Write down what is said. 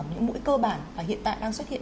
những mũi cơ bản và hiện tại đang xuất hiện